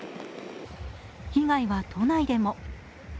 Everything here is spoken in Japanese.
被害は都内でも。